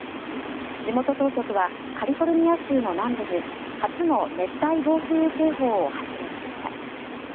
地元当局はカリフォルニア州の南部に初の熱帯暴風雨警報を発令しました。